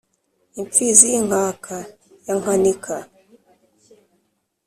Imfizi y'inkaka ya Nkanika